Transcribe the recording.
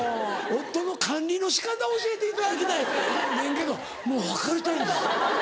夫の管理の仕方教えていただきたいねんけど「もう別れたいんです」。